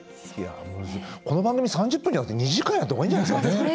この番組、３０分じゃなくて２時間やったほうがいいんじゃないですかね。